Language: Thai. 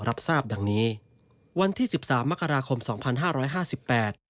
รับทราบดังนี้วันที่สิบสามมกราคมสองพันห้าร้อยห้าสิบแปด